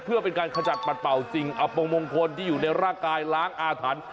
เพื่อเป็นการขจัดปัดเป่าสิ่งอับปงมงคลที่อยู่ในร่างกายล้างอาถรรพ์